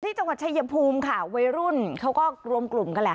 จังหวัดชายภูมิค่ะวัยรุ่นเขาก็รวมกลุ่มกันแหละ